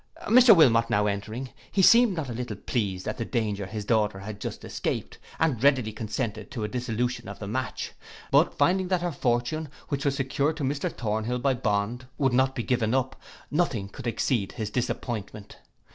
Mr Wilmot now entering, he seemed not a little pleased at the danger his daughter had just escaped, and readily consented to a dissolution of the match. But finding that her fortune, which was secured to Mr Thornhill by bond, would not be given up, nothing could exceed his disappointment.